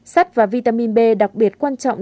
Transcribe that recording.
sắt và vitamin b đặc biệt quan trọng